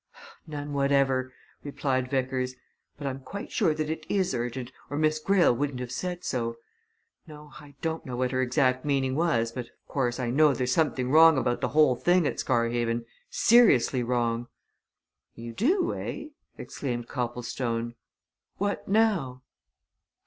"None whatever!" replied Vickers. "But I'm quite sure that it is urgent, or Miss Greyle wouldn't have said so. No I don't know what her exact meaning was, but of course, I know there's something wrong about the whole thing at Scarhaven seriously wrong!" "You do, eh?" exclaimed Copplestone. "What now?"